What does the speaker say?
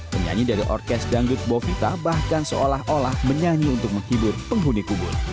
penyanyi dari orkes dangdut bovita bahkan seolah olah menyanyi untuk menghibur penghuni kubur